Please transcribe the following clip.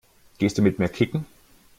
Gehst du mit mir kicken?